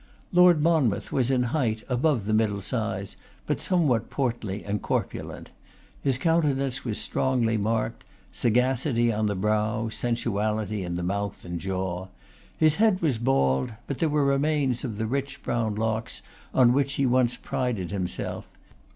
Lord Monmouth was in height above the middle size, but somewhat portly and corpulent. His countenance was strongly marked; sagacity on the brow, sensuality in the mouth and jaw. His head was bald, but there were remains of the rich brown locks on which he once prided himself.